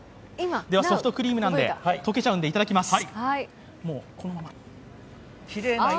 ソフトクリームなんで溶けちゃうのでいただきます。